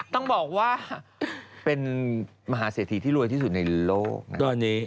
ต้องบอกว่าเป็นมหาเศรษฐีที่รวยที่สุดในโลกนะตอนนี้